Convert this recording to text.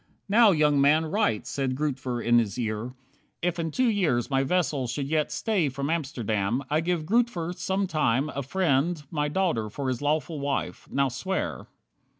"Now, young man, write," said Grootver in his ear. "`If in two years my vessel should yet stay From Amsterdam, I give Grootver, sometime A friend, my daughter for his lawful wife.' Now swear."